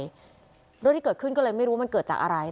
เรื่องที่เกิดขึ้นก็เลยไม่รู้ว่ามันเกิดจากอะไร